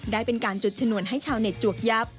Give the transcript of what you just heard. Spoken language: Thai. ได้เป็นการจุดชนวนให้ชาวเน็ตจวกยับ